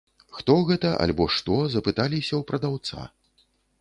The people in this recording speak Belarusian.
Хто гэта альбо што, запыталіся ў прадаўца.